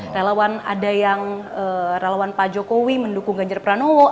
relawan ada yang relawan pak jokowi mendukung ganjar pranowo